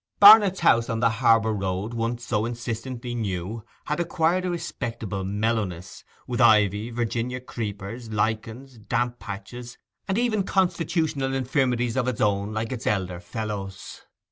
Barnet's house on the harbour road, once so insistently new, had acquired a respectable mellowness, with ivy, Virginia creepers, lichens, damp patches, and even constitutional infirmities of its own like its elder fellows.